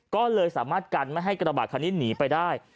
ก็เลยสามารถกันไม่ให้กระบาดคันนี้หนีไปได้